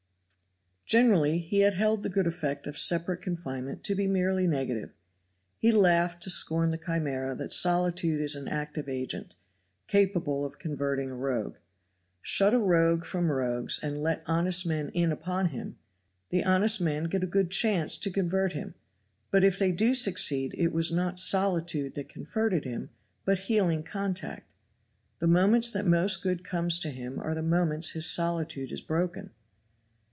Generally he held the good effect of separate confinement to be merely negative; he laughed to scorn the chimera that solitude is an active agent, capable of converting a rogue. Shut a rogue from rogues and let honest men in upon him the honest men get a good chance to convert him, but if they do succeed it was not solitude that converted him but healing contact. The moments that most good comes to him are the moments his solitude is broken.